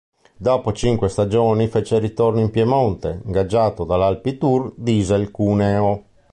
Dopo cinque stagioni fece ritorno in Piemonte, ingaggiato dall'Alpitour Diesel Cuneo.